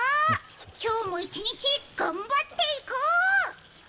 今日も一日、頑張っていこう！